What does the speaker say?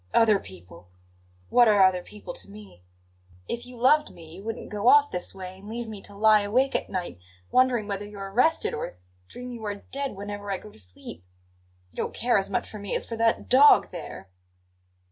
"Other people what are other people to me? If you loved me you wouldn't go off this way and leave me to lie awake at night, wondering whether you're arrested, or dream you are dead whenever I go to sleep. You don't care as much for me as for that dog there!"